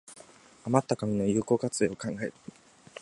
あまった紙の有効活用を考える